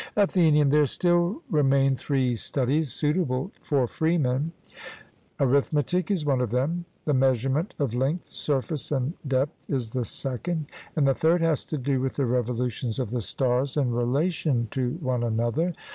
ATHENIAN: There still remain three studies suitable for freemen. Arithmetic is one of them; the measurement of length, surface, and depth is the second; and the third has to do with the revolutions of the stars in relation to one another.